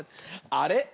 あれ？